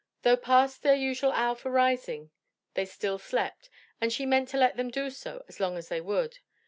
Though past their usual hour for rising they still slept and she meant to let them do so as long as they would.